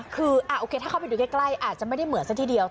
คือโอเคถ้าเข้าไปดูใกล้อาจจะไม่ได้เหมือนซะทีเดียว